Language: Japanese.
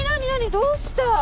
どうした？